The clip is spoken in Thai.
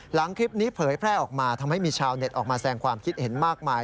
หลังคลิปนี้เผยแพร่ออกมาทำให้มีชาวเน็ตออกมาแสงความคิดเห็นมากมาย